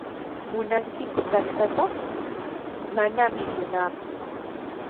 ¿Munankiku tantata? Manami munaaku.